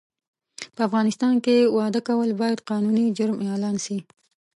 په افغانستان کې واده کول باید قانوني جرم اعلان سي